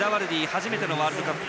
初めてのワールドカップ。